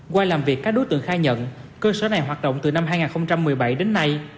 qua làm việc các đối tượng khai nhận cơ sở này hoạt động từ năm hai nghìn một mươi bảy đến nay